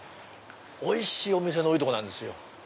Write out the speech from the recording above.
おいしいお店の多いとこなんですよ。